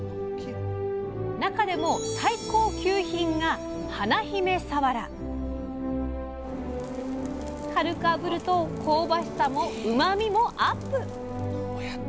中でも最高級品が軽くあぶると香ばしさもうまみもアップ！